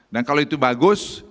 dan kalau itu bagus